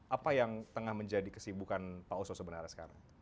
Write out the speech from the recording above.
apa yang tengah menjadi kesibukan pak oso sebenarnya sekarang